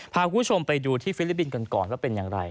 พาคุณผู้ชมไปดูที่ฟิลิปปินส์กันก่อนว่าเป็นอย่างไร